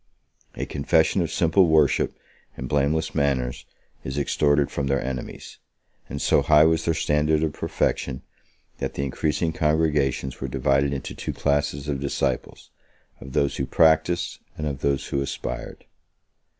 A confession of simple worship and blameless manners is extorted from their enemies; and so high was their standard of perfection, that the increasing congregations were divided into two classes of disciples, of those who practised, and of those who aspired.